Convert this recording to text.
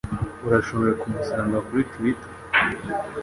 Urashobora kumusanga kuri Twitter,